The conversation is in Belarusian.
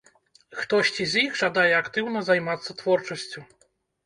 Хтосьці з іх жадае актыўна займацца творчасцю.